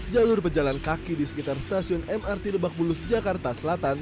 jalur pejalan kaki di sekitar stasiun mrt lebak bulus jakarta selatan